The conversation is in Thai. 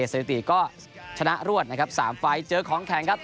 สถิติก็ชนะรวดนะครับ๓ไฟล์เจอของแข็งครับ